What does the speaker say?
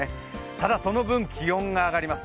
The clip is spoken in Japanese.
ただその分気温が上がります